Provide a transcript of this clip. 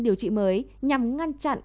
điều trị mới nhằm ngăn chặn